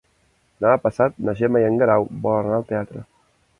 Demà passat na Gemma i en Guerau volen anar al teatre.